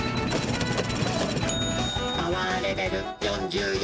「パワーレベル４４」。